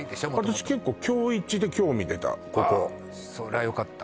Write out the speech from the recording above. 私結構今日イチで興味出たここそりゃよかった